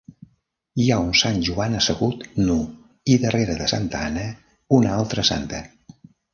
Hi ha un Sant Joan assegut, nu, i darrere de Santa Anna, una altra santa.